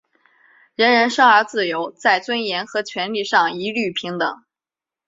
人人生而自由,在尊严和权利上一律平等。